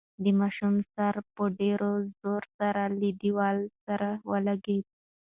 د ماشوم سر په ډېر زور سره له دېوال سره ولګېد.